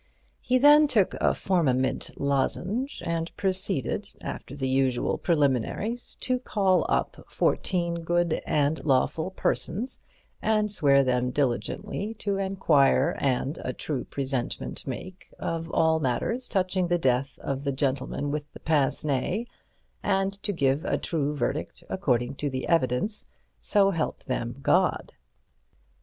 He then took a Formamint lozenge, and proceeded, after the usual preliminaries, to call up fourteen good and lawful persons and swear them diligently to enquire and a true presentment make of all matters touching the death of the gentleman with the pince nez and to give a true verdict according to the evidence, so help them God.